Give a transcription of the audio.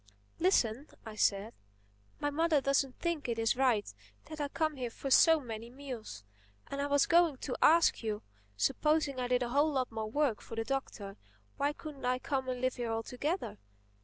"Listen," I said, "my mother doesn't think it is right that I come here for so many meals. And I was going to ask you: supposing I did a whole lot more work for the Doctor—why couldn't I come and live here altogether?